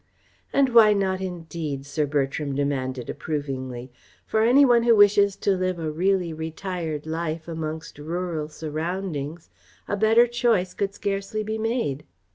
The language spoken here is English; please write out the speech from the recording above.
"And why not indeed?" Sir Bertram demanded approvingly. "For any one who wishes to live a really retired life amongst rural surroundings a better choice could scarcely be made.